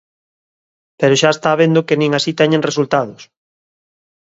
Pero xa está vendo que nin así teñen resultados.